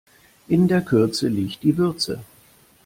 In der Kürze liegt die Würze.